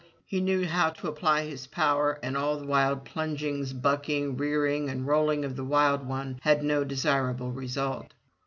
He knew how to apply his power, and all the wild plunging, bucking, rearing, and rolling of the wild one had no desirable result.